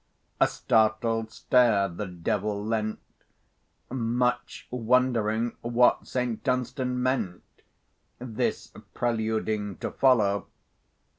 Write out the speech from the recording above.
A startled stare the devil lent, Much wondering what St. Dunstan meant This preluding to follow.